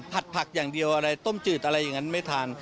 ผักอย่างเดียวอะไรต้มจืดอะไรอย่างนั้นไม่ทาน